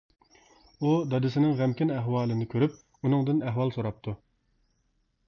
ئۇ دادىسىنىڭ غەمكىن ئەھۋالىنى كۆرۈپ، ئۇنىڭدىن ئەھۋال سوراپتۇ.